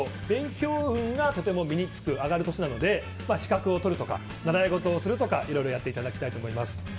勉強運がとても身に着く上がる年なので資格を取るとか習い事をするとかいろいろやっていただきたいと思います。